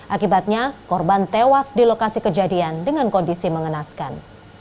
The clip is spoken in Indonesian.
akibatnya korban tewas di lokasi kejadian dengan kondisi mengenaskan